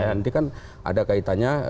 nanti kan ada kaitannya